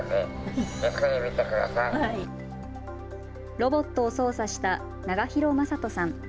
ロボットを操作した永廣征人さん。